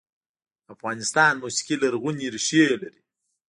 د افغانستان موسیقي لرغونې ریښې لري